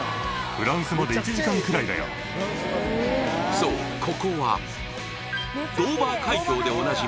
そうここはドーバー海峡でおなじみ